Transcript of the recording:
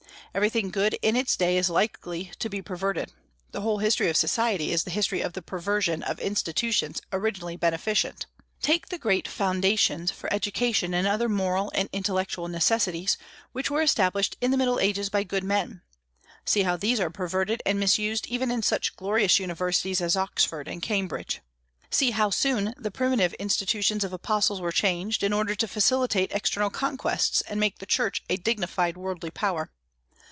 Everything good in its day is likely to be perverted. The whole history of society is the history of the perversion of institutions originally beneficent. Take the great foundations for education and other moral and intellectual necessities, which were established in the Middle Ages by good men. See how these are perverted and misused even in such glorious universities as Oxford and Cambridge. See how soon the primitive institutions of apostles were changed, in order to facilitate external conquests and make the Church a dignified worldly power.